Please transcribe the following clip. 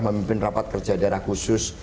memimpin rapat kerja daerah khusus